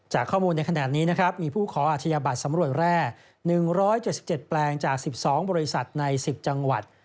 ข้อมูลในขณะนี้นะครับมีผู้ขออาชญาบัตรสำรวจแร่๑๗๗แปลงจาก๑๒บริษัทใน๑๐จังหวัด